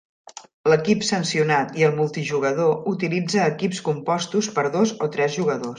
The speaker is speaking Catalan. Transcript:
L'equip sancionat i el multijugador utilitza equips compostos per dos o tres jugadors.